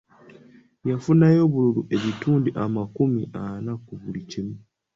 Yafunayo obululu ebitundu amakumi ana ku buli kikumi.